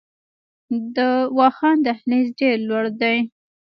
د واخان دهلیز ډیر لوړ دی